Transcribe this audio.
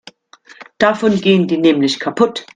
Davon gehen die nämlich kaputt.